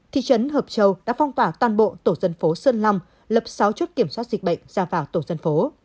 thị trấn hợp châu đã phong tỏa toàn bộ tổ dân phố sơn long lập sáu chốt kiểm soát dịch bệnh ra vào tổ dân phố